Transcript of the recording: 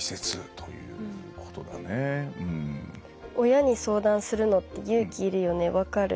親に相談するのって勇気いるよね、分かる。